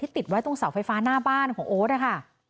ติดไว้ตรงเสาไฟฟ้าหน้าบ้านของโอ๊ตนะคะ